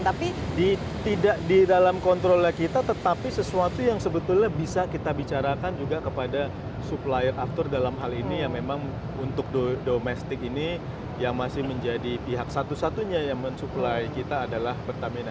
tapi tidak di dalam kontrolnya kita tetapi sesuatu yang sebetulnya bisa kita bicarakan juga kepada supplier aftur dalam hal ini yang memang untuk domestik ini yang masih menjadi pihak satu satunya yang mensupply kita adalah pertamina